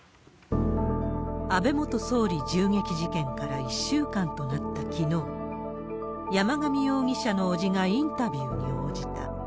安倍元総理銃撃事件から１週間となったきのう、山上容疑者の伯父がインタビューに応じた。